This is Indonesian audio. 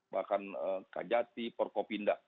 bahkan kak jati porkopinda